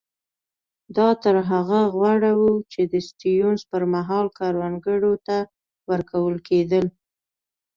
دا تر هغه غوره وو چې د سټیونز پر مهال کروندګرو ته ورکول کېدل.